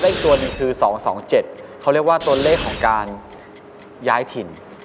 อีกตัวหนึ่งคือ๒๒๗เขาเรียกว่าตัวเลขของการย้ายถิ่น